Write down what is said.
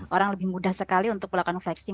orang lebih mudah sekali untuk melakukan flexing